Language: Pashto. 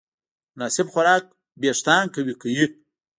مناسب خوراک وېښتيان قوي کوي.